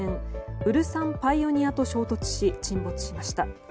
「ウルサン・パイオニア」と衝突し、沈没しました。